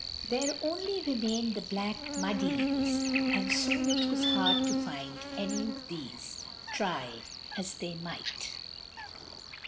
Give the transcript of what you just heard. There only remained the black mud eels, and soon it was hard to find any of these, try as they might.